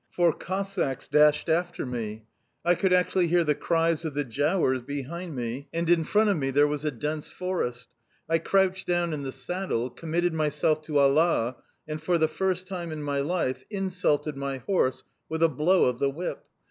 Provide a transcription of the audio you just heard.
Four Cossacks dashed after me. I could actually hear the cries of the giaours behind me, and in front of me there was a dense forest. I crouched down in the saddle, committed myself to Allah, and, for the first time in my life, insulted my horse with a blow of the whip.